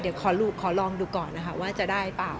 เดี๋ยวขอลองดูก่อนนะคะว่าจะได้เปล่า